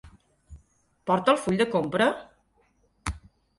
Porta el full de compra?